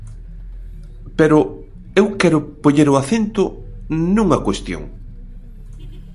Pero eu quero poñer o acento nunha cuestión.